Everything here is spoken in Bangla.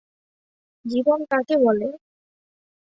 জীবন কাকে বলে?